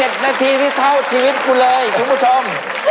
เป็น๗นาทีที่เท่าชีวิตกูเลยทุกผู้ชม